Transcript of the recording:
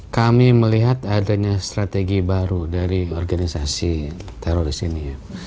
kami melihat adanya strategi baru dari organisasi teroris ini